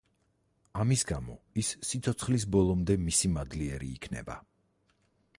ამის გამო, ის სიცოცხლის ბოლომდე მისი მადლიერი იქნება.